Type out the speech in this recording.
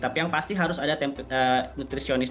tapi yang pasti harus ada nutrisionis